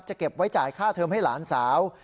เก็บไว้จ่ายค่าเทิมให้หลานสาว